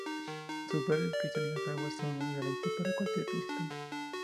Sus verdes y cristalinas aguas son un deleite para cualquier visitante.